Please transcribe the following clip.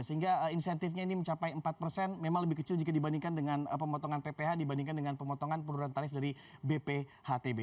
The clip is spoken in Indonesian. sehingga insentifnya ini mencapai empat persen memang lebih kecil jika dibandingkan dengan pemotongan pph dibandingkan dengan pemotongan penurunan tarif dari bphtb